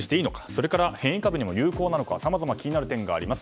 それから変異株にも有効なのかさまざま気になる点があります。